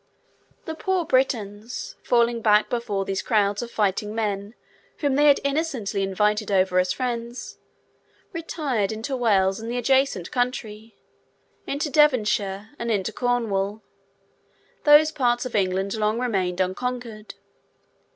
The poor Britons, falling back before these crowds of fighting men whom they had innocently invited over as friends, retired into Wales and the adjacent country; into Devonshire, and into Cornwall. Those parts of England long remained unconquered.